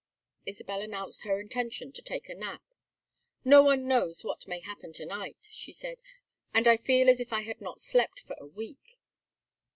Isabel announced her intention to take a nap. "No one knows what may happen to night," she said. "And I feel as if I had not slept for a week."